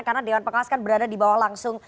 karena dewan pengawas kan berada di bawah langsung